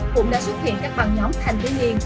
cũng đã xuất hiện các băng nhóm thành tự nhiên